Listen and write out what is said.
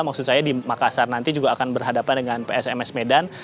maksud saya di makassar nanti juga akan berhadapan dengan psms medan